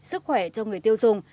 sức khỏe cho người tiêu dùng